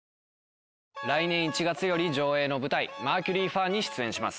来年１月より上演の舞台『マーキュリー・ファー』に出演します。